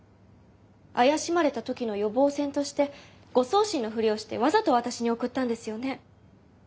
怪しまれた時の予防線として誤送信のふりをしてわざと私に送ったんですよね。